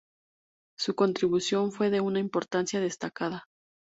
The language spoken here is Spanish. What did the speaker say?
Su contribución fue de una importancia destacada.